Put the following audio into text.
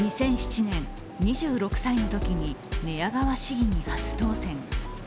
２００７年、２６歳のときに寝屋川市議に初当選。